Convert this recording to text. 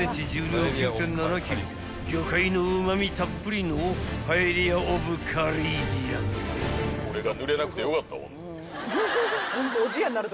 ［魚介のうま味たっぷりのパエリア・オブ・カリビアン］